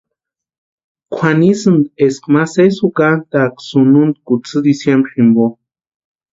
Kwʼanisïnti eska ma sési jukantaaka sununta kutsï diciembre jimpo.